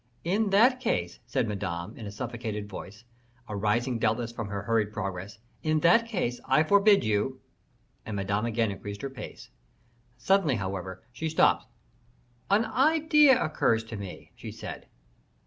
"In that case," said Madame, in a suffocated voice, arising doubtless from her hurried progress, "in that case, I forbid you " And Madame again increased her pace. Suddenly, however, she stopped. "An idea occurs to me," she said.